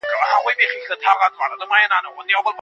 پېښې داسې ورانې راغلې چي تېرې کیسې هېري سوې.